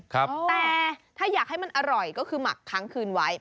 แต่ถ้าอยากให้มันอร่อยก็คือหมักค้างคืนไว้